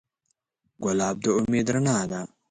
ګلاب د امید رڼا ده.